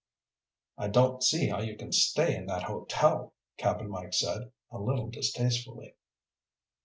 "I don't see how you can stay in that hotel," Cap'n Mike said, a little distastefully.